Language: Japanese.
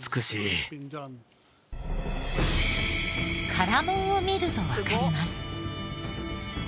唐門を見るとわかります。